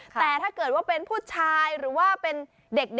แต่ถ้าเกิดว่าเป็นผู้ชายหรือว่าเป็นเด็ก